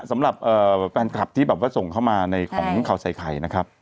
สำหรับแฟนคลับที่แบบว่าส่งเข้ามาในของข่าวใส่ไข่นะครับ